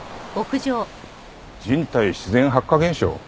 人体自然発火現象？